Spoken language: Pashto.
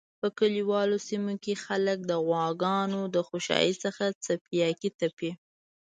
په کلیوالو سیمو کی خلک د غواګانو د خوشایی څخه څپیاکی تپی